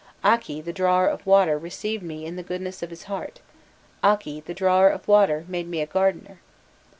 Akki, the drawer of water, received me in the goodness of his heart; Akki, the drawer of water, made me a gardener.